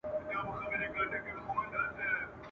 له سدیو انتظاره مېړنی پکښي پیدا کړي !.